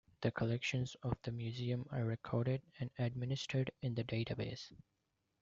The collections of the Museum are recorded and administered in the database.